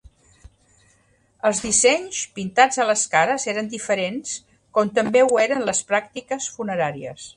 Els dissenys pintats a les cares eren diferents, com també ho eren les pràctiques funeràries.